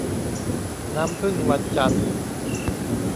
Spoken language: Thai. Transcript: น้ำผึ้งพระจันทร์